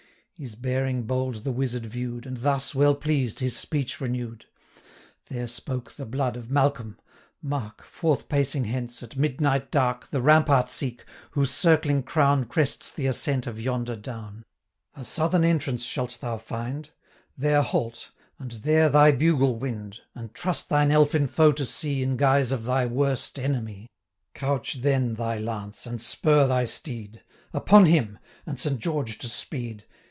His bearing bold the wizard view'd, And thus, well pleased, his speech renew'd: "There spoke the blood of Malcolm! mark: 420 Forth pacing hence, at midnight dark, The rampart seek, whose circling crown Crests the ascent of yonder down: A southern entrance shalt thou find; There halt, and there thy bugle wind, 425 And trust thine elfin foe to see, In guise of thy worst enemy: Couch then thy lance, and spur thy steed Upon him! and Saint George to speed!